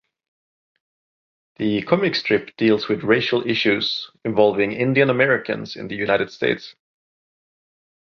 The comic strip deals with racial issues involving Indian Americans in the United States.